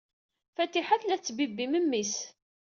Fatiḥa tella tettbibbi memmi-s.